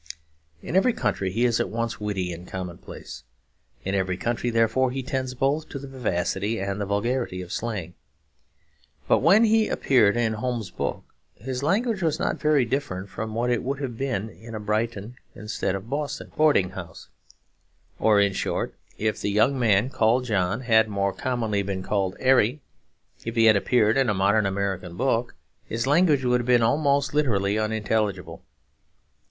In every country he is at once witty and commonplace. In every country, therefore, he tends both to the vivacity and the vulgarity of slang. But when he appeared in Holmes's book, his language was not very different from what it would have been in a Brighton instead of a Boston boarding house; or, in short, if the young man called John had more commonly been called 'Arry. If he had appeared in a modern American book, his language would have been almost literally unintelligible.